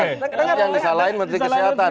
nanti yang disalahin menteri kesehatan